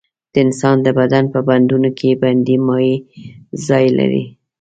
د انسان د بدن په بندونو کې بندي مایع ځای لري.